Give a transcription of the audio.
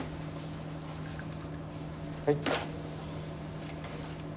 はい。